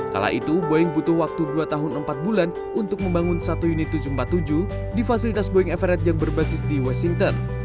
kala itu boeing butuh waktu dua tahun empat bulan untuk membangun satu unit tujuh ratus empat puluh tujuh di fasilitas boeing everet yang berbasis di washington